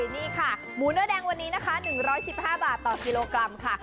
นี่ค่ะหมูเนื้อแดงวันนี้นะคะ๑๑๕บาทต่อกิโลกรัมค่ะ